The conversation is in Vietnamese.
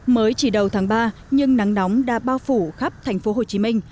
mới chỉ đầu tháng ba nhưng nắng nóng đã bao phủ khắp tp hcm